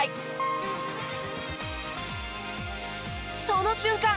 その瞬間